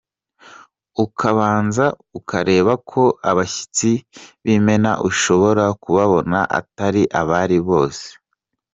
Ukabanza ukareba ko abashyitsi b’imena ushobora kubabona atari abari bo bose.